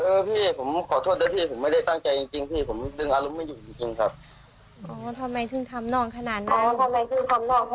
เออพี่ผมขอโทษนะพี่ผมไม่ได้ตั้งใจจริงจริงพี่ผมดึงอารมณ์ไม่อยู่จริงจริงครับ